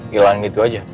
hilang gitu aja